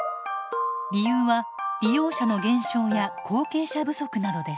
理由は利用者の減少や後継者不足などです。